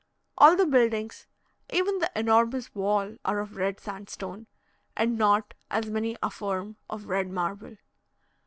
All the buildings, even the enormous wall, are of red sandstone, and not, as many affirm, of red marble.